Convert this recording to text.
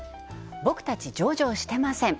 僕たち上場してません！